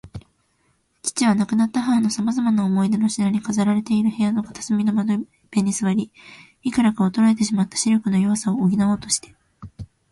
父は、亡くなった母のさまざまな思い出の品に飾られている部屋の片隅の窓辺に坐り、いくらか衰えてしまった視力の弱さを補おうとして